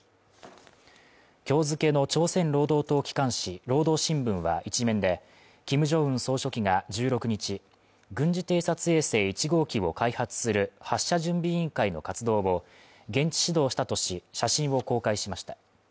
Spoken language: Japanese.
今日付の朝鮮労働党機関紙「労働新聞」は１面でキム・ジョンウン総書記が１６日軍事偵察衛星１号機を開発する発射準備委員会の活動後、現地指導したとし、写真を公開しました。